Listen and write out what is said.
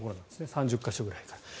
３０か所ぐらいから。